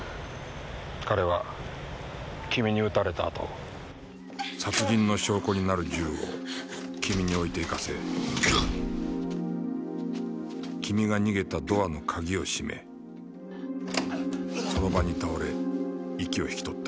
彼は君に撃たれたあと殺人の証拠になる銃を君に置いていかせ君が逃げたドアの鍵を閉めその場に倒れ息を引き取った。